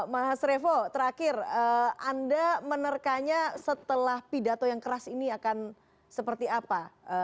mas revo terakhir anda menerkanya setelah pidato yang keras ini akan seperti apa